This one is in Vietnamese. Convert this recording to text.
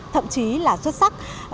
thậm chí là xuất sắc